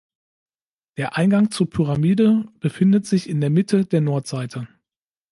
Der Eingang zur Pyramide befindet sich in der Mitte der Nordseite.